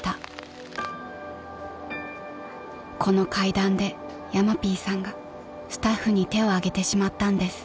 ［この階段でヤマピーさんがスタッフに手をあげてしまったんです］